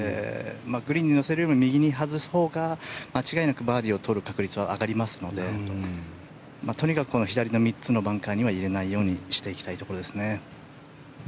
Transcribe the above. グリーンに乗せるよりも右に外すほうが間違いなくバーディーをとる確率は上がりますのでとにかく左の３つのバンカーには入れないようにしていきたいところですね。